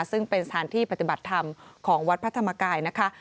ซึ่งเป็นสถานที่ปฏิบัติธรรมของวัดพระธรรมกายนะคะ